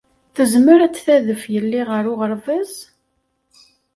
Tezmer ad tadef yelli ɣer uɣerbaz?